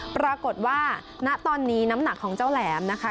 ปรากฏว่าณตอนนี้น้ำหนักของเจ้าแหลมนะคะ